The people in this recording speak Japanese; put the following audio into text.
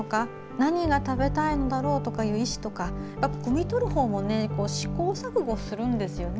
何が食べたいんだろうという意思などくみ取るほうも試行錯誤するんですよね。